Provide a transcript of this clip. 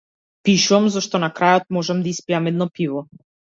Пишувам зашто на крајот можам да испијам едно пиво.